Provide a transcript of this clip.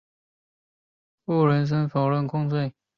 布伦森否认控罪。